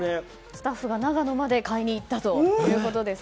スタッフが長野まで買いに行ったということです。